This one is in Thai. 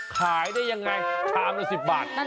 ขายได้ยังไงชามละ๑๐บาท